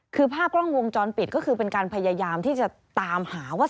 คือภาพกล้องวงจรปิดก็คือเป็นการพยายามที่จะตามหาว่า